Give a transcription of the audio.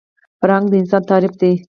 فرهنګ د انسان تعریف دی